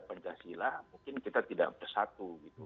pancasila mungkin kita tidak bersatu gitu